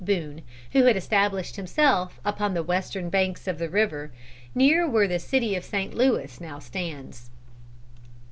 Boone, who had established himself upon the western banks of the river, near where the city of St. Louis now stands.